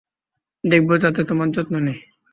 দেখব যাতে তোমার যত্ন নেয়।